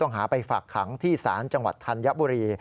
ต้องหาไปฝากขังที่ศาลจังหวัดธัณฑ์ยักษ์บุรี